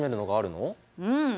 うん！